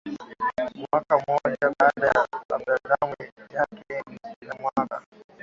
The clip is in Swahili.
Mwaka mmoja baadaye na albamu yake ya mwaka